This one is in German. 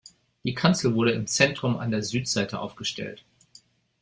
Der Kanzel wurde im Zentrum an der Südseite aufgestellt.